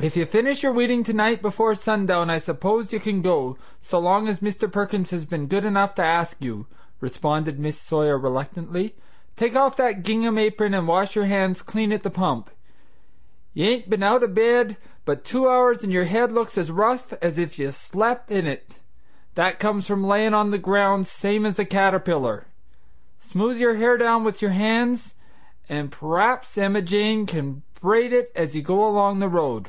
"If you finish your weeding tonight before sundown I s'pose you can go, so long as Mr. Perkins has been good enough to ask you," responded Miss Sawyer reluctantly. "Take off that gingham apron and wash your hands clean at the pump. You ain't be'n out o' bed but two hours an' your head looks as rough as if you'd slep' in it. That comes from layin' on the ground same as a caterpillar. Smooth your hair down with your hands an' p'r'aps Emma Jane can braid it as you go along the road.